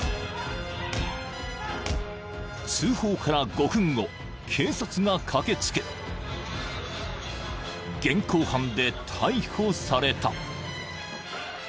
［通報から５分後警察が駆け付け現行犯で逮捕された］